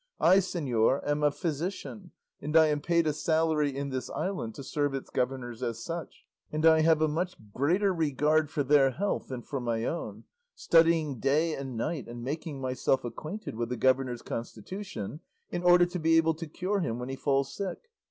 I, señor, am a physician, and I am paid a salary in this island to serve its governors as such, and I have a much greater regard for their health than for my own, studying day and night and making myself acquainted with the governor's constitution, in order to be able to cure him when he falls sick.